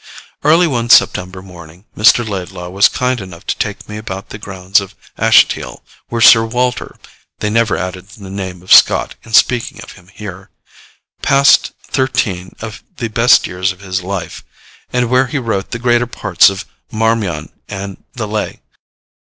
Early one September morning Mr. Laidlaw was kind enough to take me about the grounds of Ashestiel, where 'Sir Walter' (they never add the name of Scott, in speaking of him here) passed thirteen of the best years of his life, and where he wrote the greater parts of 'Marmion' and the 'Lay.'